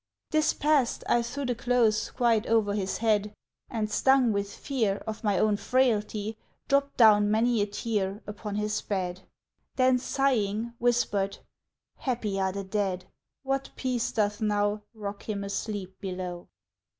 This past, I threw the clothes quite o'er his head; And, stung with fear Of my own frailty, dropped down many a tear Upon his bed; Then, sighing, whispered, _Happy are the dead! What peace doth now Rock him asleep below!